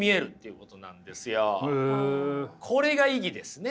これが意義ですね。